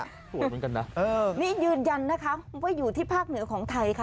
สวยเหมือนกันนะเออนี่ยืนยันนะคะว่าอยู่ที่ภาคเหนือของไทยค่ะ